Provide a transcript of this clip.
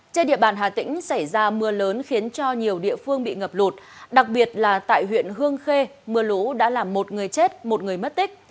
trên địa bàn hà tĩnh xảy ra mưa lớn khiến cho nhiều địa phương bị ngập lụt đặc biệt là tại huyện hương khê mưa lũ đã làm một người chết một người mất tích